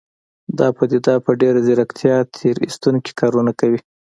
دا پديده په ډېره ځيرکتيا تېر ايستونکي کارونه کوي.